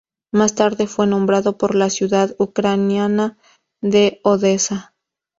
Más tarde fue nombrado por la ciudad ucraniana de Odesa.